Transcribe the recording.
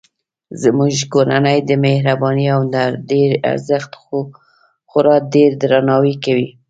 زموږ کورنۍ د مهربانۍ او همدردۍ ارزښت خورا ډیردرناوی کوي